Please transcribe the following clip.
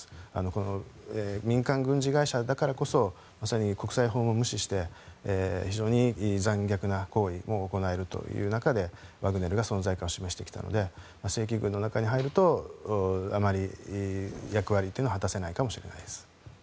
この民間軍事会社だからこそまさに国際法も無視して非常に残虐な行為も行えるという中でワグネルが存在感を示してきたので正規軍の中に入るとあまり役割というのは果たせないかもしれないです。